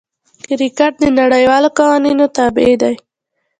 کرکټ د نړۍوالو قوانینو تابع دئ.